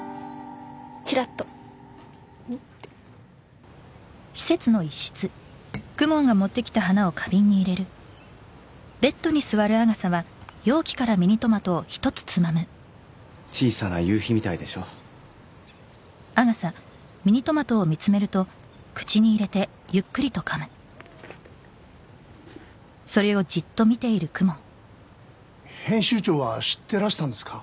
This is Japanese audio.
チラッとんって小さな夕日みたいでしょ編集長は知ってらしたんですか？